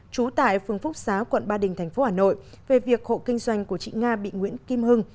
trú tại phường phúc xá quận ba đình tp hà nội về việc hộ kinh doanh của chị nga bị nguyễn kim hưng